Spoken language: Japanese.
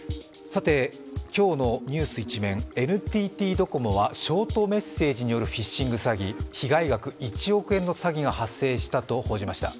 今日のニュース１面、ＮＴＴドコモはショートメッセージによるフィッシング詐欺、被害額１億円の詐欺が発生したと報じました。